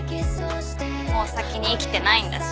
もう先に生きてないんだし。